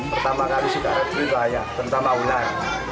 pertama kali suka reptil itu ayah terutama ular